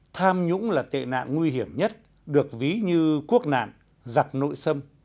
tham nhũng là tệ nạn nguy hiểm nhất được ví như quốc nạn giặc nội sâm